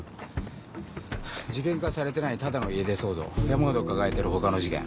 事件化されてないただの家出騒動山ほど抱えてる他の事件